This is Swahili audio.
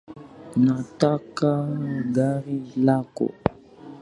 Nataka gari lako